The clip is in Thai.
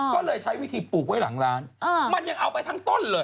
ก็เลยใช้วิธีปลูกไว้หลังร้านมันยังเอาไปทั้งต้นเลย